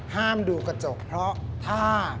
ห้ามดูกระจกเพราะถ้า